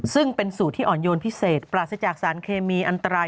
ซึ่งเป็นสูตรที่อ่อนโยนพิเศษปราศจากสารเคมีอันตราย